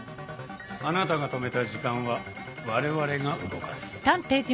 あなたが止めた時間は我々が動かす。